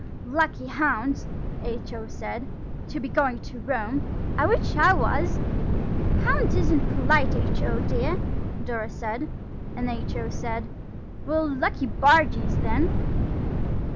"Lucky hounds," H.O. said, "to be going to Rome. I wish I was." "Hounds isn't polite, H.O., dear," Dora said; and H.O. said– "Well, lucky bargees, then."